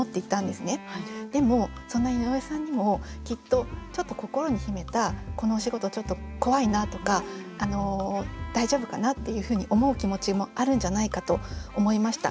でもそんな井上さんにもきっとちょっと心に秘めたこのお仕事ちょっと怖いなとか大丈夫かなっていうふうに思う気持ちもあるんじゃないかと思いました。